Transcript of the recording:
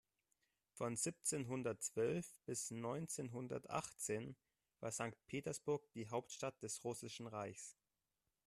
Von siebzehnhundertzwölf bis neunzehnhundertachtzehn war Sankt Petersburg die Hauptstadt des Russischen Reichs.